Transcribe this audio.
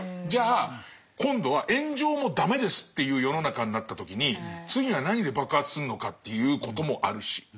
じゃあ今度は炎上も駄目ですっていう世の中になった時に次は何で爆発するのかっていうこともあるし。